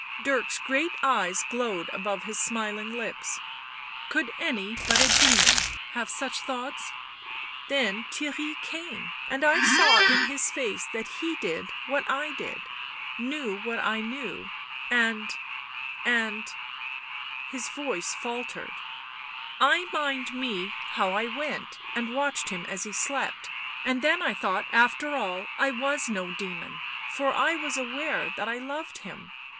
Dirk's great eyes glowed above his smiling lips. " Could any but a demon have such thoughts'? ... then Theirry came, and I saw in his face that he did what I did— knew what I knew; and — and "— his voice faltered —" I mind me how I went and watched him as he slept — and then I thought after all I was no demon, for I was aware that I loved him.